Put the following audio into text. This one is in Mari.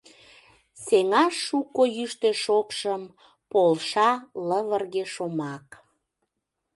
Сеҥаш шуко йӱштӧ-шокшым Полша лывырге шомак.